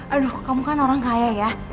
aduh kamu kan orang kaya ya